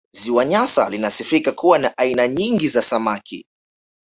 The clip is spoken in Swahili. Ziwa Nyasa linasifika kuwa na aina nyingi za samaki